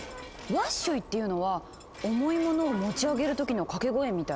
「ワッショイ」っていうのは重いものを持ち上げる時の掛け声みたい。